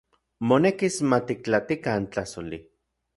Monekis matiktlatikan tlajsoli.